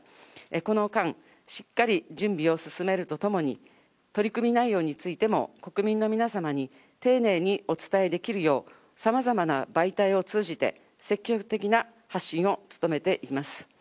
この間、しっかり準備を進めるとともに、取り組み内容についても、国民の皆様に丁寧にお伝えできるよう、さまざまな媒体を通じて、積極的な発信を努めていきます。